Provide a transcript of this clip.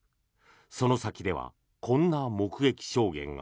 その先ではこんな目撃証言が。